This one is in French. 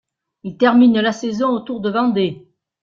Il termine la saison au Tour de Vendée.